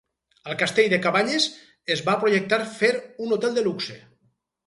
Al castell de Cabanyes es va projectar fer un hotel de luxe.